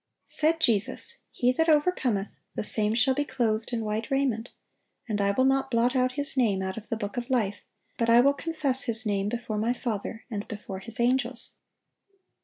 (857) Said Jesus: "He that overcometh, the same shall be clothed in white raiment; and I will not blot out his name out of the book of life, but I will confess his name before My Father, and before His angels."